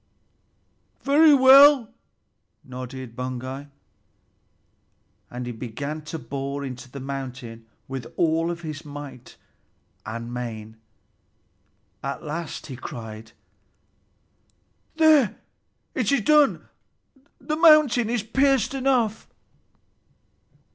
"Very well," nodded Baugi, and he began to bore into the mountain with all his might and main. At last he cried, "There, it is done; the mountain is pierced through!"